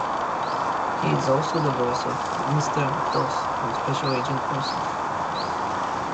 He is also the voice of Mr. Dos on "Special Agent Oso".